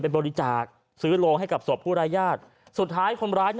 บริจาคซื้อโรงให้กับศพผู้รายญาติสุดท้ายคนร้าย